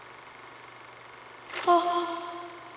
あっ！